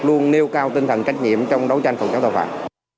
luôn nêu cao tinh thần trách nhiệm trong đấu tranh phòng chống tội phạm